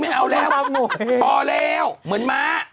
ไม่เอาแล้วพอแล้วเหมือนม้า